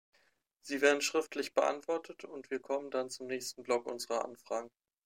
Sie werden schriftlich beantwortet, und wir kommen dann zum nächsten Block unserer Anfragen.